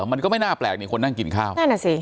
มันก็ไม่น่าแปลกเนี่ยคนนั่งกินข้าว